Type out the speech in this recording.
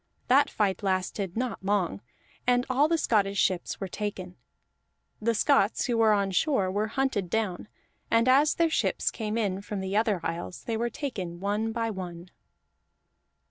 That fight lasted not long, and all the Scottish ships were taken; the Scots who were on shore were hunted down, and as their ships came in from the other isles, they were taken one by one.